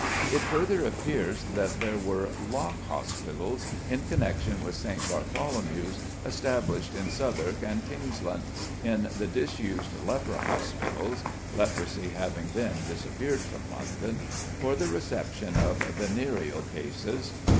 It further appears that there were "lock" hospitals in connection with St. Bartholomew's, established in Southwark and Kingsland, in the disused Leper Hospitals (leprosy having then disappeared from London), for the reception of venereal cases.